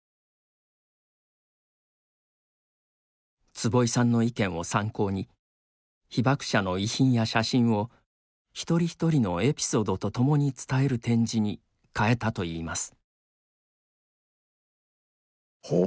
坪井さんの意見を参考に被爆者の遺品や写真を一人一人のエピソードと共に伝える展示に変えたといいます。